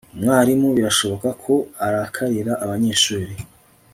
umwarimu birashoboka ko arakarira abanyeshuri